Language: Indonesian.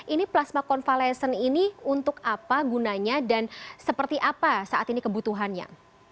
ini plasma konvalesen ini untuk apa gunanya dan seperti apa saat ini kebutuhannya